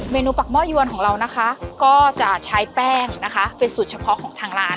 นูปักห้อยวนของเรานะคะก็จะใช้แป้งนะคะเป็นสูตรเฉพาะของทางร้าน